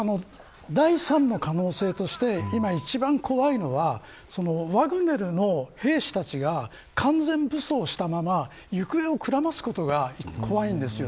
第３の可能性として今一番怖いのはワグネルの兵士たちが完全武装したまま行方をくらますことが、怖いんですよ